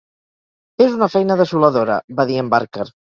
"És una feina desoladora", va dir en Barker.